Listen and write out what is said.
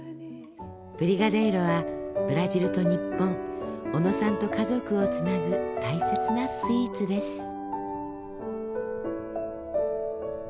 ブリガデイロはブラジルと日本小野さんと家族をつなぐ大切なスイーツです。